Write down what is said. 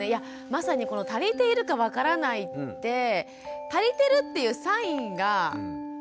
まさにこの足りているか分からないって「足りてる」っていうサインがないじゃないですか。